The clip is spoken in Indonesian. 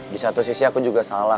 di satu sisi aku juga salah